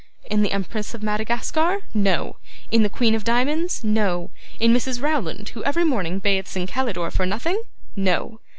In the Empress of Madagascar? No. In the Queen of Diamonds? No. In Mrs. Rowland, who every morning bathes in Kalydor for nothing? No.